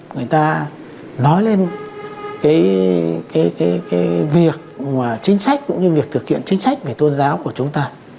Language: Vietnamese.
người ta nói lên cái việc mà chính sách cũng như việc thực hiện chính sách về tôn giáo của chúng ta